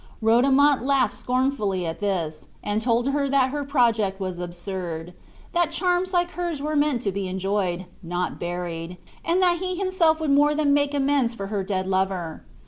Rodomont laughed scornfully at this, and told her that her project was absurd; that charms like hers were meant to be enjoyed, not buried, and that he himself would more than make amends for her dead lover.